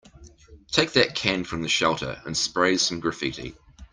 Take that can from the shelter and spray some graffiti.